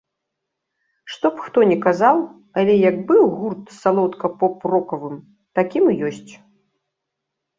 Што б хто не казаў, але як быў гурт салодка поп-рокавым, такім і ёсць.